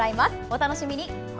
お楽しみに。